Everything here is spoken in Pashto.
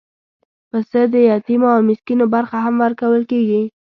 پسه د یتیمو او مسکینو برخه هم ورکول کېږي.